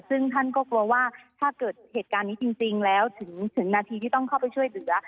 ซึ่งท่านก็กลัวว่าถ้าเกิดเหตุการณ์นี้จริงแล้วถึงนาทีที่ต้องเข้าไปช่วยเหลือ